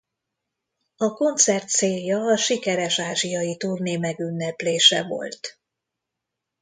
A koncert célja a sikeres ázsiai turné megünneplése volt.